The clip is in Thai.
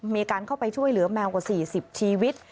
มีการเข้าไปช่วยเหลือแมวกว่า๔๐ชีวิต